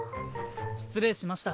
失礼しました。